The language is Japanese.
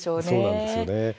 そうなんですね。